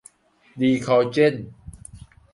ดีคอลเจน